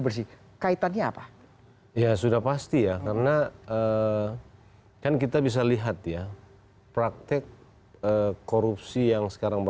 bersih kaitannya apa ya sudah pasti ya karena kan kita bisa lihat ya praktek korupsi yang sekarang